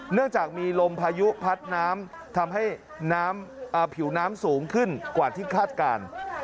เนื่องจากมีลมพายุพัดน้ำทำให้น้ำผิวน้ำสูงขึ้นกว่าที่คาดการณ์